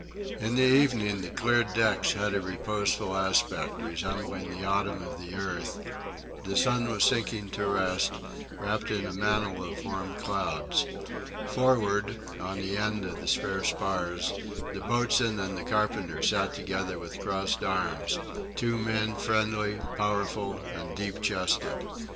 In the evening the cleared decks had a reposeful aspect, resembling the autumn of the earth. The sun was sinking to rest, wrapped in a mantle of warm clouds. Forward, on the end of the spare spars, the boatswain and the carpenter sat together with crossed arms; two men friendly, powerful, and deep chested.